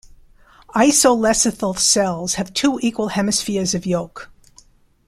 Isolecithal cells have two equal hemispheres of yolk.